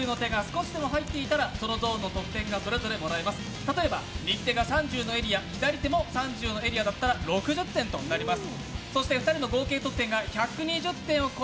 例えば、右手が３０のエリア左手も３０のエリアだったら６０点となります。